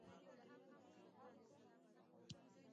ګلاب د خیال نړۍ ته لاره ده.